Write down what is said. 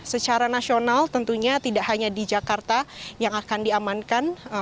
dan secara nasional tentunya tidak hanya di jakarta yang akan diamankan